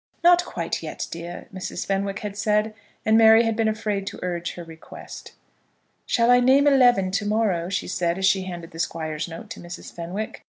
"Not quite yet, dear," Mrs. Fenwick had said, and Mary had been afraid to urge her request. "Shall I name eleven to morrow?" she said, as she handed the Squire's note to Mrs. Fenwick.